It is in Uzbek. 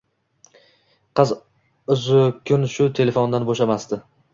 Qiz uzzukun shu telefondan bo`shamasdi